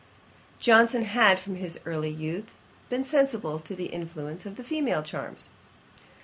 Johnson had, from his early youth, been sensible to the influence of female charms.